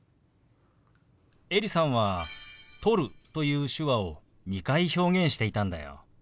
エリさんは「撮る」という手話を２回表現していたんだよ。